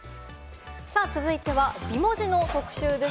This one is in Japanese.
続いては美文字の特集です。